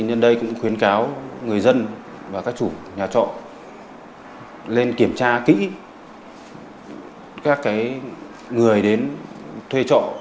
nên đây cũng khuyến cáo người dân và các chủ nhà trọ lên kiểm tra kỹ các người đến thuê trọ